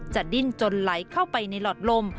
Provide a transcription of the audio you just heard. ดิ้นจนไหลเข้าไปในหลอดลม